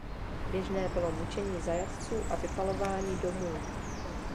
Běžné bylo mučení zajatců a vypalování domů.